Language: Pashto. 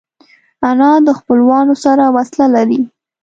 انا د خپلوانو سره وصله لري